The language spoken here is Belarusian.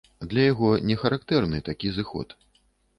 Для яго не характэрны такі зыход.